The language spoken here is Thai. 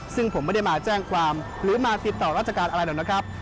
ซึ่งผมไม่ได้มาแจ้งความหรือมาติดต่อราชการอะไรหรอกนะครับ